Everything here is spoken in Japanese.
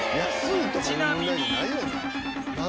ちなみに